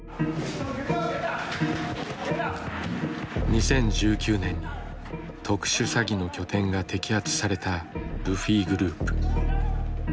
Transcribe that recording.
２０１９年に特殊詐欺の拠点が摘発されたルフィグループ。